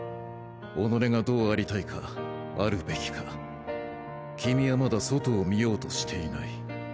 己がどう在りたいか在るべきか君はまだ世界を見ようとしていない。